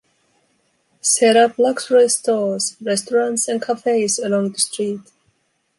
Set up luxury stores, restaurants and cafes along the street.